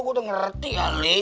gua udah ngerti ya deh